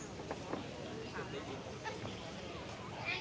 สวัสดีครับทุกคน